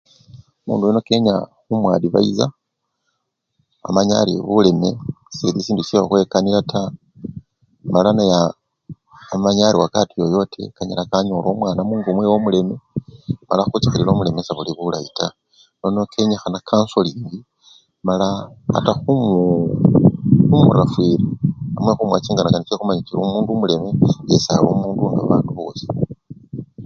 Omundu yuno kenyikha khumu adifayisa amanye ari buleme sesli sisindu syekhukhwikanya taa mala naye amanye ari wakati yoyote anyala wanyola omwana mungo mwewe omuleme mala khuchekhelelela omuleme sebuli bulayi taa nono kenyikhana kansolingi mala na! khu! khumurafwira nende khumuwa chingani kani chekhumanya bari omundu omuleme yesi alimomundu nga bandu bosi.